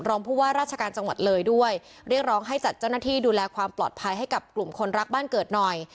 ผู้ว่าราชการจังหวัดเลยด้วยเรียกร้องให้จัดเจ้าหน้าที่ดูแลความปลอดภัยให้กับกลุ่มคนรักบ้านเกิดหน่อย